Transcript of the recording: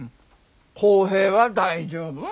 耕平は大丈夫。